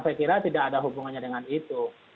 saya kira tidak ada hubungannya dengan itu